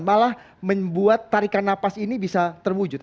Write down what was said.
malah membuat tarikan napas ini bisa terwujud